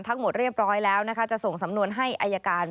ทั้งหมดเรียบร้อยแล้วนะคะจะส่งสำนวนให้อายการ